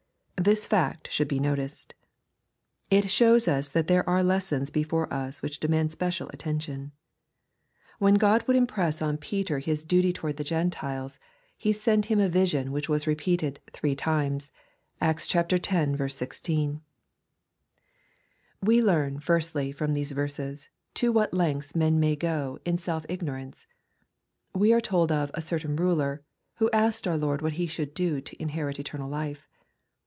This fact should be noticed. It shows us that there are lessons before us which demand special attention. When God would impress on Peter LUKJfi, CHAP. XVIII. 271 tis duty towards the Gentiles, He sent him a vision which was repeated " three times." (Acts x. 16.) We learn, firstly, from these verses, to what lengths men may go in self ignorance. We are told of " a cer tain ruler," who asked our Lord what he should " do to inherit eternal life."